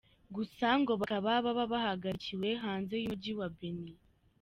Gusa ngo bakaba baba bahagarikiwe hanze y’Umujyi wa Beni.